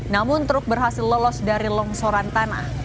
namun truk berhasil lolos dari longsoran tanah